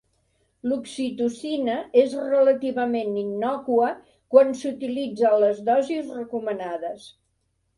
L'oxitocina és relativament innòcua quan s'utilitza a les dosis recomanades.